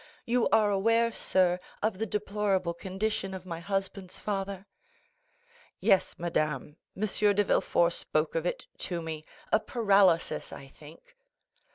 You are aware, sir, of the deplorable condition of my husband's father?" "Yes, madame, M. de Villefort spoke of it to me—a paralysis, I think."